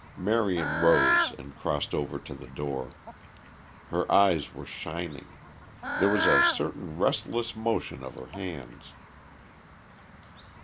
Marion rose and crossed over to the door. Her eyes were shining. There was a certain restless motion of her hands.